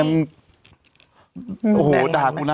โอ้โหด่ากูนะ